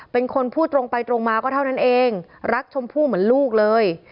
เป็นคนพูดตรงไปตรงมาก็เท่านั้นเองรักชมพู่เหมือนลูกเลย